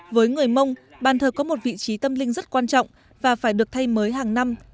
với người mông bàn thờ có một vị trí tâm linh rất quan trọng và phải được thay mới hàng năm